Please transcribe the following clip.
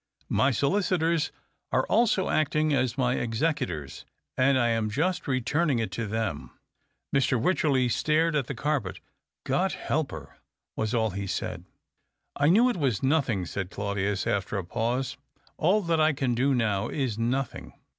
My solicitors arc also acting as my executors, and I am just returning it to them." Mr. Wycherley stared at the carpet. " God help her !" w^as all he said. " I knew it was nothing," said Claudius, after a pause. " All that I can do now is nothing.